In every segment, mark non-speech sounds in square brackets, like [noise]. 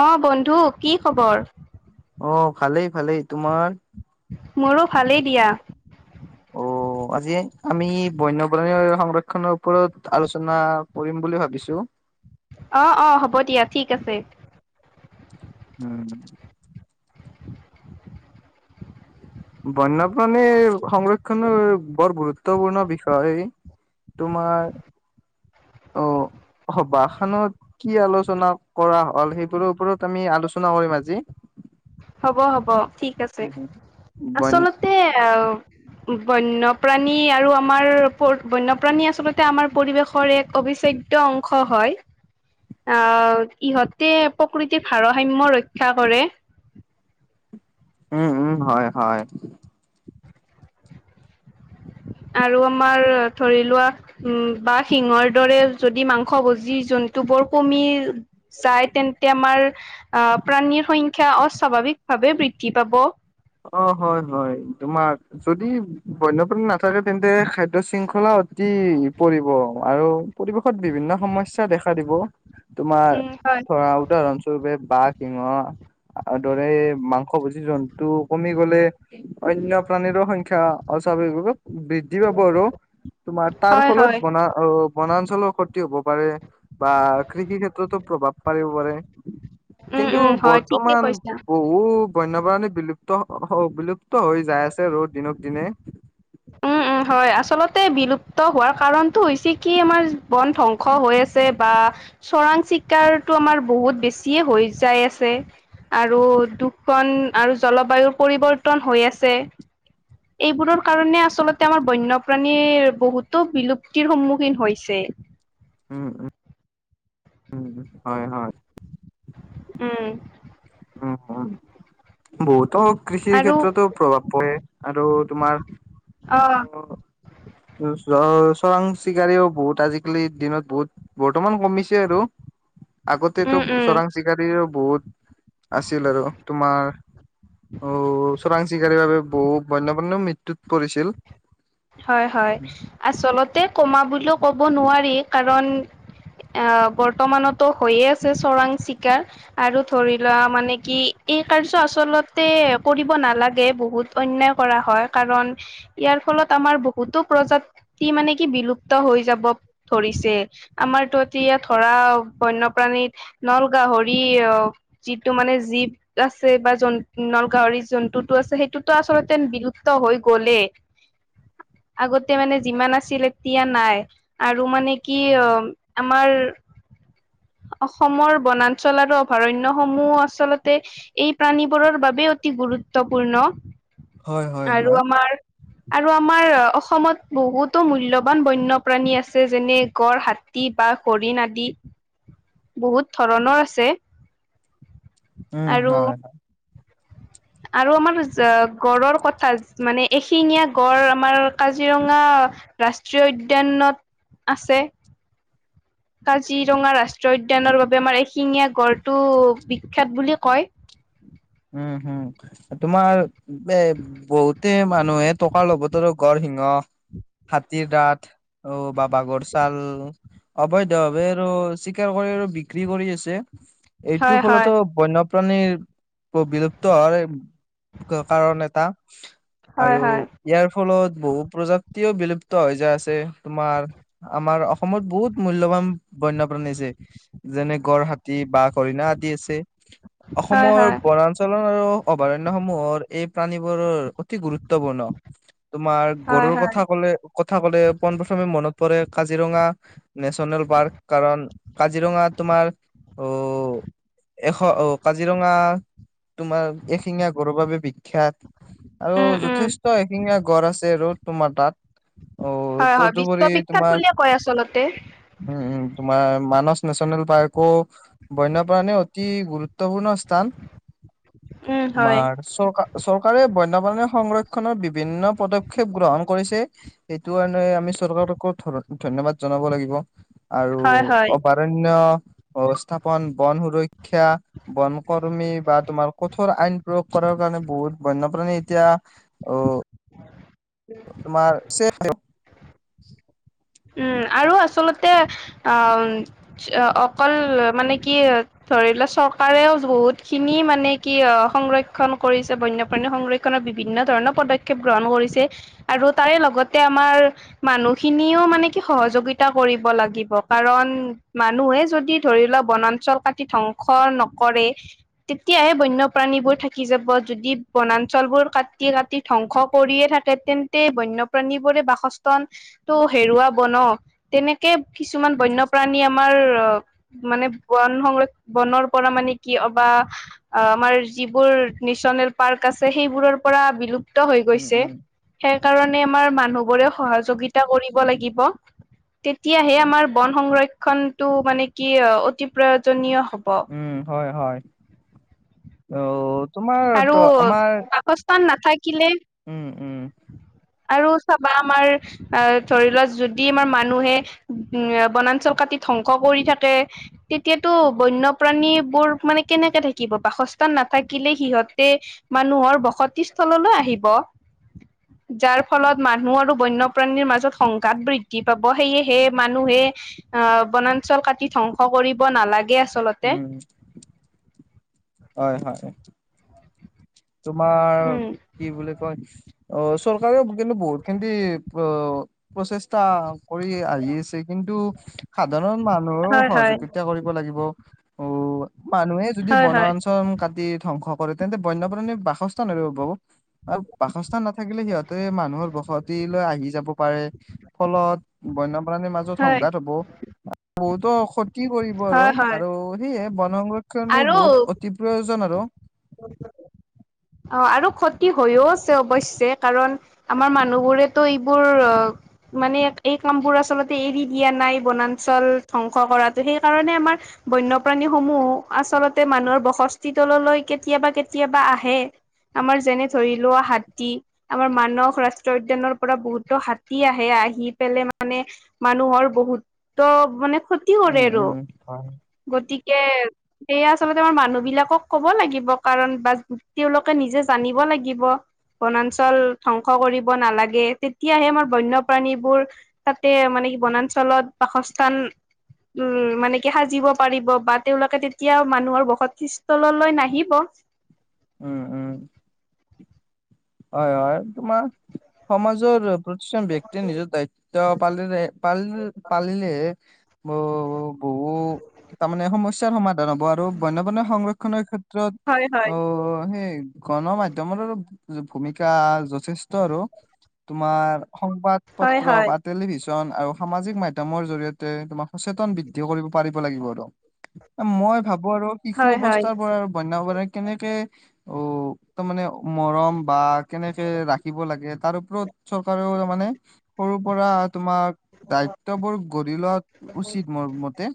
অ', বন্ধু কি খবৰ? অ', ভালেই ভালেই তোমাৰ? মোৰো ভালেই দিয়া। অ',। আজি আমি বন্যপ্ৰাণীৰ সংৰক্ষনৰৰ ওপৰত আলোচনা কৰিম বুলি ভাবিছো। অ', অ', হ'ব দিয়া ঠিক আছে। উম',। বন্যপ্ৰাণীৰ সংৰক্ষণৰ বৰ গুৰুত্বপূৰ্ণ বিষয়। তোমাৰ অ', বাসানত কি আলোচনা কৰা হ'ল, সেইবোৰৰ ওপৰত আমি আলোচনা কৰিম আজি। হ'ব হ'ব ঠিক আছে বন আচলতে বন্যপ্ৰাণী আৰু আমাৰ বন্যপ্ৰাণী আচলতে আমাৰ পৰিৱেশৰ এক অবিচ্ছেদ্য অংশ হয়। আহ' ইহঁতে প্ৰকৃতিৰ ভাৰসাম্য ৰক্ষা কৰে। উম', উম', হয়', হয়',। আৰু আমাৰ ধৰি লোৱা উম', বা সিংহ দৰে যদি মাংস ভজি জন্তুবোৰ কমি যায় তেন্তে আমাৰ আহ প্ৰাণীৰ সংখ্যা অস্বাভাৱিকভাৱে বৃদ্ধি পাব। অ', হয়', হয়', তোমাৰ যদি বন্যপ্ৰাণী নাথাকে তেন্তে খাদ্য শৃংখলা অতি পৰিব আৰু পৰিৱেশত বিভিন্ন সমস্যা দেখা দিব। তোমাৰ উম, হয়, ধৰা উদাহৰণ স্বৰূপে বাঘ, সিংহ আৰু দৰে মাংস মাগস ভুজি জন্তু কমি গ'লে, অন্য প্ৰাণীৰ সংখ্যা অস্বাভাৱিক বৃদ্ধি পাব আৰু। তোমাৰ তাৰ হয়, ফলত হয়। বনা অ' বনাঞ্চলৰ ক্ষতি হ'ব পাৰে। বা কৃষি ক্ষেত্ৰতো প্ৰভাৱ পাৰিব পাৰে, উম, কিন্তু উম, হয়, ঠিকে বৰ্তমান কৈছা। বহ বহু বন্যপ্ৰাণী বিলুপ্ত- বিলুপ্ত হৈ যাই আছে ৰৌদ দিনক দিনে। উম, [inaudible] হয়', আচলতে বিলুপ্ত হোৱাৰ কাৰণটো হৈছে, কি আমাৰ বন ধ্বংস হৈ আছে বা চৰাং চিকাৰটো আমাৰ বহুত বেছি হৈ যাই আছে। আৰু দুখন আৰু জলবায়ুৰ পৰিৱৰ্তন হৈ আছে। এইবোৰৰ কাৰণে আচলতে আমাৰ বন্যপ্ৰাণীৰ বহুতো বিলুপ্তিৰ সন্মুখীন হৈছে। উম', উম', হয়', হয়',। উম',। উম', উম', বহুতো কৃষিৰ আৰু ক্ষেত্ৰতো প্ৰভাৱ পৰে আৰু তোমাৰ অ',। চ'- চৰাং চিকাৰিও বহুত আজিকালিৰ দিনত বহুত বৰ্তমান কমিছে আৰু আগতেতো উম, উম, চৰাং চিকাৰী বহুত আছিল আৰু তোমাৰ উ চোৰাং চিকাৰীৰ বাবে বহুত বন্যপ্ৰানীও মৃত ত্যোত পৰিছিল। হয়-হয়, আচলতে কমা বুলিও ক'ব নোৱাৰি কাৰণ আহ বৰ্তমানতো হৈয়ে আছে চৰাং চিকাৰ। আৰু ধৰি লোৱা মানে কি এই কাৰ্য আচলতে কৰিব নালাগে বহুত অন্যায় কৰা হয় কাৰণ ইয়াৰ ফলত আমাৰ বহুতো প্ৰজা তি মানে কি বিলুপ্ত হৈ যাব ধৰিছে, আমাৰটো এতিয়া ধৰা বন্যপ্ৰাণীত নল গাহৰি অ যিটো মানে জীৱ আছে বা জ নল গাহৰি জন্তুটো আছে সেইটোতো আচলতে বিলুপ্ত হৈ গ'লেই। আগতে মানে যিমান আছিলে এতিয়া নাই আৰু মানে কি অ আমাৰ অসমৰ বনাঞ্চল আৰু অভয়াৰন্যসমূহ আচলতে এই প্ৰাণীবোৰৰ বাবে অতি গুৰুত্বপূৰ্ণ। হয় হয় আৰু হয়। আমাৰ আৰু আমাৰ অসমত বহুতো মূল্যবান বন্যপ্ৰাণী আছে যেনে গড়, হাত তি বা হৰিণ আদি [inaudible] বহুত ধৰণৰ আছে উম আৰু হয় আৰু আমাৰ যা গড়ৰ কথা মানে এশিঙীয়া গড় আমাৰ কাজিৰঙা ৰাষ্ট্ৰীয় উদ্যানত আছে। কাজিৰঙা ৰাষ্ট্ৰীয় উদ্যানৰ বাবে আমাৰ এশিঙীয়া গড়টো বিখ্যাত বুলি কয়। উম হুম, এ তোমাৰ এ বহুতে মানুহে টক কাৰ লগত আৰু গড়, সিংহ, হাতীৰ দাঁত অ বা বাঘৰ চাল অবৈধভাৱে আৰু চিকাৰ কৰি আৰু বিক্ৰী কৰি আছে এইটো হয় হয় ফলতো বন্যপ্ৰাণীৰ ব বিলুপ্ত হয়। ক কাৰণ এটা আৰু হয় হয়। ইয়াৰ ফলত বহু প্ৰজাতিও বিলুপ্ত হৈ যায় আছে তোমাৰ আমাৰ অসমত বহুত মূল্যবান বন্যপ্ৰাণী আছে। যেনে গড়, হাতি, বাঘ, হৰিণা আদি আছে হয় অসমৰ হয় অঞ্চলৰ আৰু অভয়াৰণ্যসমূহৰ এই প্ৰাণীবোৰৰ অতি গুৰুত্বপূৰ্ণ। তোমাৰ হয় গড়ৰ হয় কথা কলে কথা কলে পোন প্ৰথমে মনত পৰে কাজিৰঙা। নেচনেল পাৰ্ক কাৰণ কাজিৰঙা তোমাৰ অ এশ অ কাজিৰঙা তোমাৰ এশিঙীয়া গঁড়ৰ বাবে বি খ্যাত আৰু উম উম যথেষ্ট এশিঙীয়া গঁড় আছে ৰ' তোমাৰ তাত। অ হয় হয় তদুপৰি বিশ্ববিখ্যাত তোমাৰ বুলিয়ে কয় আচলতে। উম উম তোমাৰ মানস নেচনেল পাৰ্কো বন্যপ্ৰাণী অতি গুৰু ত্বপূৰ্ণ স্থান। উম হয় তোমাৰ চৰকাৰ চৰকাৰে বন্যপ্ৰাণী সংৰক্ষণৰ বিভিন্ন পদক্ষেপ গ্ৰহণ কৰিছে। সেইটো কাৰণে আমি চৰকাৰকো ধ-ধন্যবাদ জনাব লাগিব আৰু হয় হয় অবাত ৰন্য, ব্যৱস্থাপন, বন সুৰক্ষা, বন কৰ্মী বা তোমাৰ কঠোৰ আইন প্ৰয়োগ কৰাৰ কাৰণে বহুত বন্যপ্ৰাণী এতিয়া অ তোমাৰ [unintelligible] [inaudible] উম' আৰু আচলতে অ অকল মানে কি ধৰি ল, চৰকাৰেও বহুত খিনি মানে কি অ সংৰক্ষন কৰিছে বন্যপ্ৰাণী সংৰ বিভিন্ন ধৰণৰ পদক্ষেপ গ্ৰহণ কৰিছে। আৰু তাই লগতে আমাৰ মানুহখিনিও মানে সহযোগিতা কৰিব লাগিব, কাৰণ মানুহে যদি ধৰি লোৱা বনাঞ্চল কাটি ধ্ব হৰণ নকৰে। তেতিয়াহে বন্যপ্ৰাণীবোৰ থাকি যাব, যদি বনাঞ্চলবোৰ কাটি, কাটি ধ্বংস কৰিয়ে থাকে, তেন্তে বন্যপ্ৰাণীবোৰে বাসস্থান টো হেৰুৱা ব ন', তেনেকে কিছুমান বন্য প্ৰাণী তোমাৰ মানে, বন সং, বনৰ পৰা মানে কিয় কিবা অ' আমাৰ যিবোৰ নেশনেল পাৰ্ক আছে, সেইবোৰৰ পৰা বিলুপ হৈ উম উম গৈছে, উম সেই কাৰণে আমাৰ মানুহবোৰে সহযোগিতা কৰিব লাগিব। [inaudible] তেতিয়াহে আমাৰ বন সংৰক্ষনটো মানে কি, অ' অতি প্ৰয়োজনীয় হ'ব। উম, হয়, হয়, অ'। তোমাৰ আৰু ত আমাৰ বাসস্থান নাথাকিলে উম উম আৰু চাবা আমাৰ আ ধৰি লোৱা, যদি আমাৰ মানুহে উম, বনাঞ্চল কাটি ধ্বংস কৰি থাকে তেতিয়াতো, বন্যপ্ৰাণীবোৰ মানে কেনেকে থাকিব, বাসস্থান নাথাক কিলে সিহঁতে, মানুহৰ বসতি স্থললৈ আহিব। [inaudible] যাৰ ফলত মানুহ আৰু বন্যপ্ৰাণীৰ মাজত সংঘাত বৃদ্ধি পাব, সেয়েহে মানুহে অ', বনাঞ্চল কাটি ধ্বংস কৰিব নালাগে, আ উম, হয়, হয়। তোমাৰ উম কি বুলি কয়, অ' চৰকাৰেও কিন্তু বহুত খিনি অ' প্ৰচেষ্টা কৰি আহি আছে, কিন্তু সাধাৰণ মা হয় হয় সহযোগিতা কৰিব লাগিব, অ' মানুহে যদি হয় হয় বনাঞ্চন কাটি ধ্বংস কৰে, তেন্তে বন্যপ্ৰাণী বাসস্থান আৰু বাসস্থান নথাকিলে সিহঁতে মানুহৰ বসত তিলৈ আহি যাব পাৰে, ফলত বন্য মমাজত হয় সংঘাত হ'ব, বহুতো ক্ষতি কৰিব আৰু, হয় হয় আৰু সেয়ে বন সংৰক্ষণটো আৰু বহুত, অতি প্ৰয়োজন আৰু। অ', আৰু ক্ষতি হৈও আছে, অৱশ্যে কাৰণ আমাৰ মানুহবোৰেতো এইবোৰ অ' মানে, এই কামবোৰ আচলতে এৰি দিয়া নাই, বনাঞ্চল ধ্বংস কৰাতো, সেই কাৰণে আমাৰ বন্যপ্ৰাণী সমূহ, আচলতে মানুহৰ বসস্থি তললৈ কেতিয়াবা, কেতিয়াবা আহে। আমাৰ যেনে ধৰি লোৱা, হাতী। আমাৰ মানস ৰাষ্ট্ৰীয় উদ্যানৰ পৰা বহুতো হাতী আহে, আহি পেলাই মানে মানুহৰ বহুতো মানে খ তি উম কৰে আৰু, উম হয় গতিকে সেয়া আচলতে আমাৰ মানুহ বিলাকক ক'ব লাগিব। কাৰণ বা তেওঁলোকে নিজে জানিব লাগিব। বনাঞ্চল ধ্বংস কৰিব নালাগে, তেতিয়াহে আমাৰ বন্যপ্ৰাণীবোৰ তাতে মানে কি, বনাঞ্চলত বাসস্থান উম, মানে কি সাজিব পাৰিব বা তেওঁলোকে তেতিয়া মানুহৰ বসতি স্থললৈ নাহিব। উম উম। হয় হয়, তোমাৰ সমাজৰ প্ৰতিজন ব্যক্তি নিজৰ দায়িত্ব পালিলে পাল পালিলেহে ব বহু তাৰমানে সমস্যাৰ সমা ধান হব, আৰু বন্য সংৰক্ষনৰ ক্ষেত্ৰত, হয় হয় অ হেই গণ মাধ্যমৰো ভূমিকা যথেষ্ট আৰু, তোমাৰ সংবাদ হয় পত্ৰ হয় বা টেলিভিছন আৰু সামাজিক মাধ্যমৰ জৰিয়তে তোমাৰ সচেতন বৃদ্ধি কৰিব পাৰিব লাগিব আৰু। মই ভাবো আৰু শিশু হয় হয় অৱস্থাৰ পৰা আৰু বন্য পৰা কেনেকে অ তাৰমানে মৰম বা কেনেকে ৰাখিব লাগে, তাৰ ওপৰত চৰকাৰেও মানে সৰু পৰা তোমাৰ দায়িত্ববোৰ গঢ়ি লোৱা উচিত মোৰ মতে।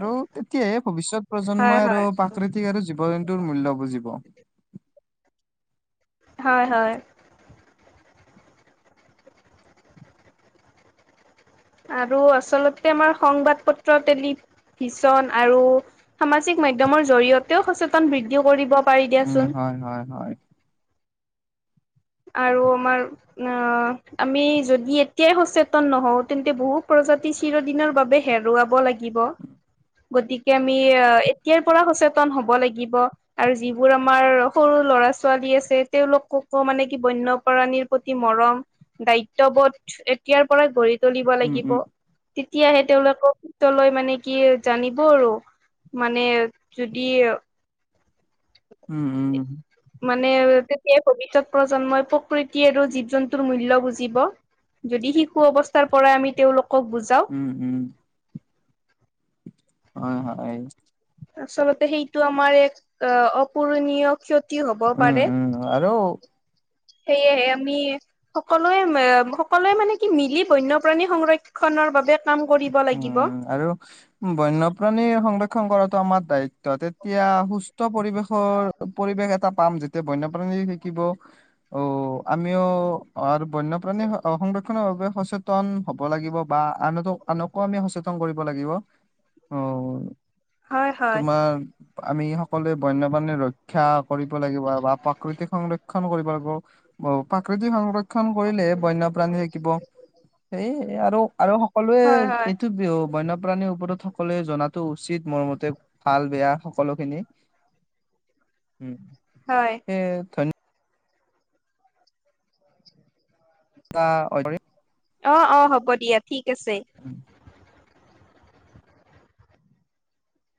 আৰু তেতিয়াহে ভৱিষ্যত হয় প্ৰজন্মই আৰু হয় প্ৰাকৃতিক আৰু জীৱ জন্তুৰ মূল্য বুজিব। হয় হয়। আৰু আচলতে আমাৰ সংবাদ পত্ৰ টেলি ভিছন আৰু সামাজিক মাধ্যমৰ জৰিয়তেও সচেতন বৃদ্ধি কৰিব পাৰি উম, দিয়াচোন। হয় হয় হয়। আৰু আমাৰ অঁ, আমি যদি এতিয়াই সচেতন নহওঁ, তেন্তে বহু প্ৰজাতি চিৰদিনৰ বাবে হেৰুৱাব লাগিব। গতিকে আমি অ এতিয়াৰ পৰা সচেতন হ'ব লাগিব। আৰু যিবোৰ আমাৰ সৰু ল'ৰা আছে, তেওঁলোককো মানে বন্যপ্ৰাণীৰ প্ৰতি মৰম, দায়িত্ববোধ এতিয়াৰ পৰা গঢ়ি তুলিব উম লাগিব, উম তেতিয়াহে তেওঁলোকক তলৈ মানে কি জানিব আৰু। মানে যদি উম উম। মানে তেতিয়াই ভৱিষ্যত প্ৰজন্মই প্ৰকৃতি আৰু জীৱ জন্তুৰ মূল্য বুজিব। যদি শিশু অৱস্থাৰ পৰা আমি তেওঁলোকক বুজাওঁ। উম উম। হয় হয়। আচলতে সেইটো আমাৰ এক অঁহ, অপূৰণীয় ক্ষতি হ'ব উম পাৰে। উম আৰু সেয়েহে আমি সকলোৱে সকলোৱে মানে কি, মিলি বন্যপ্ৰাণী সংৰক্ষনৰ বাবে কাম কৰিব লাগিব। উম, আৰু বন্যপ্ৰাণী সংৰক্ষণ কৰাটো আমাৰ দায়িত্ব, তেতিয়া সু সুস্থ পৰিৱেশৰ, পৰিৱেশ এটা পাম যেতিয়া বন্যপ্ৰাণী থাকিব। অ, আমিও আৰু বন্যপ্ৰাণী সংৰক্ষণৰ বাবে সচে তন হ'ব লাগিব, বা আনকো আমি সচেতন কৰিব লাগিব, অঁহ, হয় হয় তোমাৰ আমি সকলোৱে বন্যপ্ৰাণী ৰক্ষা কৰিব লাগিব বা প্ৰাকৃতিক সংৰ ক্ষণ কৰিব লাগিব, ব প্ৰাকৃতিক সংৰক্ষণ কৰিলে বন্যপ্ৰাণী থাকিব। সেই এই আৰু আৰু হয় সকলোৱেই হয় এইটো বিহ, বন্যপ্ৰাণীৰ ওপৰত সকলোৱে জনাতো উচিত মোৰ মতে, ভাল বেয়া সকলো খিনি। উম। হয়। এই ধন্য [unintelligible] অ অ হ'ব দিয়া, ঠিক আছে। [inaudible]